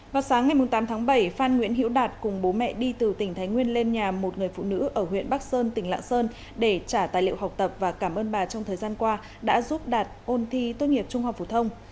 vào sáng ngày tám tháng bảy phan nguyễn hiễu đạt cùng bố mẹ đi từ tỉnh thái nguyên lên nhà một người phụ nữ ở huyện bắc sơn tỉnh lạng sơn để trả tài liệu học tập và cảm ơn bà trong thời gian qua đã giúp đạt ôn thi tốt nghiệp trung học phổ thông